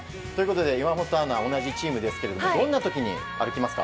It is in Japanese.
岩本アナは同じチームですがどんな時に歩きますか？